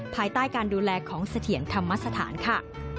ภายใต้การดูแลของเสถียรธรรมสถานค่ะ